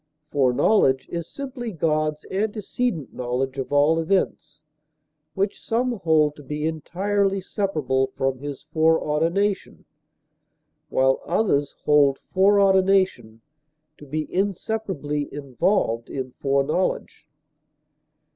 Foreknowledge is simply God's antecedent knowledge of all events, which some hold to be entirely separable from his foreordination, while others hold foreordination to be inseparably involved in foreknowledge.